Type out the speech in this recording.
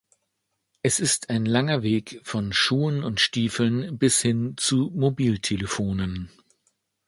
Es ist ein langer Weg von Schuhen und Stiefeln bis hin zu Mobiltelefonen.